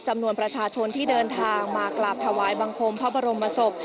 จำนวนประชาชนที่เดินทางมากราบถวายบังคมพระบรมศพ